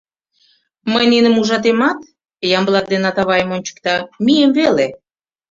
Мый ниным ужатемат, — Ямблат ден Атавайым ончыкта, — мием веле.